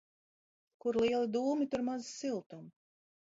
Kur lieli dūmi, tur maz siltuma.